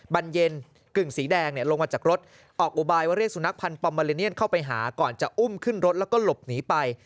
บรรเย็นกึ่งสีแดงลงมาจากรถออกอุบายว่าเรียกสุนัขพันธ์ปอมมาลิเนียนเข้าไปหาก่อนจะอุ้มขึ้นรถแล้วก็หลบหนีไป